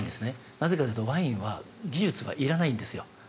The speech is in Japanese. なぜかというと、ワインは技術はいらないんですよ。